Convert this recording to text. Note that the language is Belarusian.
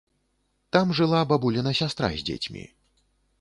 Там жыла бабуліна сястра з дзецьмі.